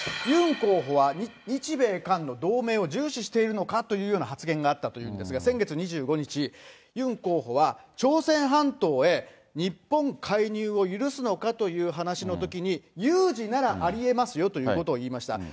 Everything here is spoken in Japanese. ユン候補は日米韓の同盟を重視しているのかという発言があったというんですが、先月２５日、ユン候補は朝鮮半島へ日本介入を許すのかという話のときに、有事ならありえますよということを言いました。